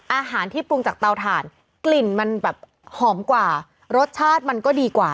อาหารที่ปรุงจากเตาถ่านกลิ่นมันแบบหอมกว่ารสชาติมันก็ดีกว่า